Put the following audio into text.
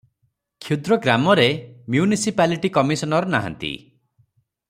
କ୍ଷୁଦ୍ର ଗ୍ରାମରେ municipality commissioner ନାହାନ୍ତି ।